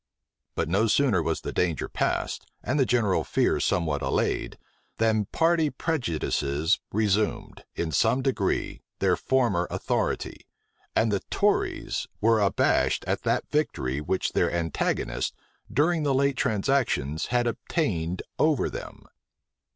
But no sooner was the danger past, and the general fears somewhat allayed, than party prejudices resumed, in some degree, their former authority; and the tories were abashed at that victory which their antagonists, during the late transactions, had obtained over them.